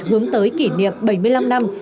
hướng tới kỷ niệm bảy mươi năm năm